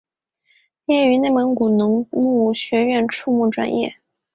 毕业于内蒙古农牧学院畜牧专业。